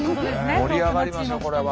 盛り上がりますよこれは。